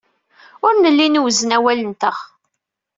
Ur nelli nwezzen awal-nteɣ.